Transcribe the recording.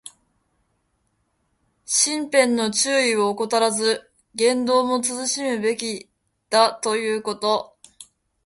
身辺の注意を怠らず、言動も慎むべきだということ。